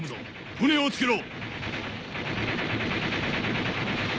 船をつけろ！